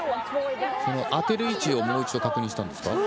当てる位置をもう一度確認したんですか。